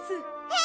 え！